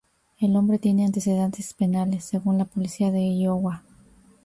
El hombre tiene antecedentes penales según la policía de Iowa.